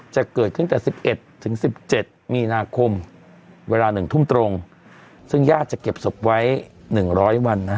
จะเกิดตั้งแต่สิบเอ็ดถึงสิบเจ็ดมีนาคมเวลาหนึ่งทุ่มตรงซึ่งญาติจะเก็บศพไว้หนึ่งร้อยวันนะฮะ